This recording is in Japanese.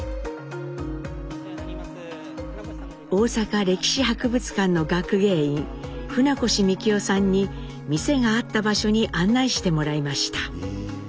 大阪歴史博物館の学芸員船越幹央さんに店があった場所に案内してもらいました。